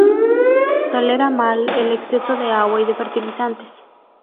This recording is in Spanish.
Tolera mal el exceso de agua y de fertilizantes.